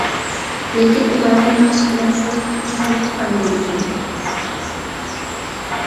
لېكىن ئۇلارنى ناخشا بىلەن ساز تېخىمۇ سىرلىق ئىپادىلەيدىكەن.